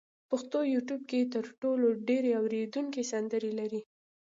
پښتو یوټیوب کې تر ټولو ډېر اورېدونکي سندرې لري.